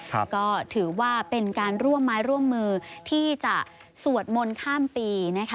ก็ถือว่าเป็นการร่วมไม้ร่วมมือที่จะสวดมนต์ข้ามปีนะคะ